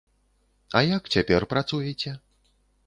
А як цяпер працуеце?